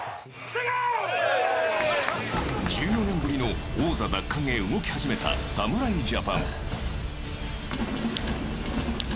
１４年ぶりの王座奪還へ動き始めた侍ジャパン。